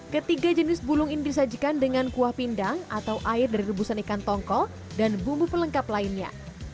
ketiga jenis bulung ini disajikan dengan kuah pindang atau air dari rebusan ikan tongkol dan bumbu pelengkap lainnya